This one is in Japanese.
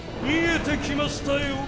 見えてきましたよ